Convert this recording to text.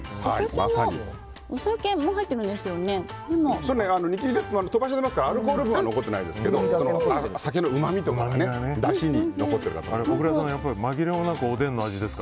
とばしていますからアルコール分は残ってないですけど酒のうまみとかはだしに残ってるかと思います。